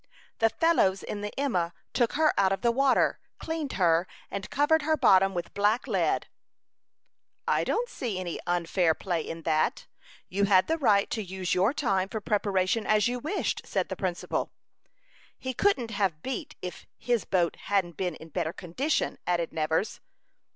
"The fellows in the Emma took her out of the water, cleaned her, and covered her bottom with black lead." "I don't see any unfair play in that. You had the right to use your time for preparation as you wished," said the principal. "He couldn't have beaten if his boat hadn't been in better condition," added Nevers.